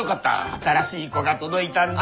新しい子が届いたんだ。